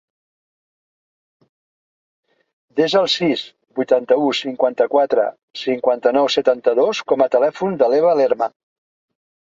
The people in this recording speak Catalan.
Desa el sis, vuitanta-u, cinquanta-quatre, cinquanta-nou, setanta-dos com a telèfon de l'Eva Lerma.